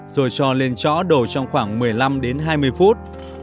rồi cho lên chó đổ trong khoảng một mươi năm đến hai mươi phút